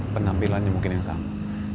penampilannya mungkin yang sama